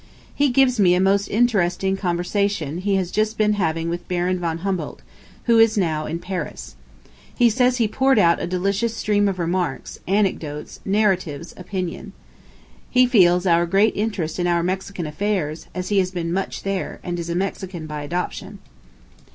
He gives me a most interesting conversation he has just been having with Baron von Humboldt, who is now in Paris. He says he poured out a delicious stream of remarks, anecdotes, narratives, opinion. He feels great interest in our Mexican affairs, as he has been much there, and is a Mexican by adoption.